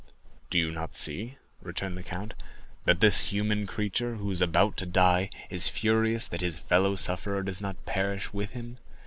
"Do you not see?" returned the count, "that this human creature who is about to die is furious that his fellow sufferer does not perish with him?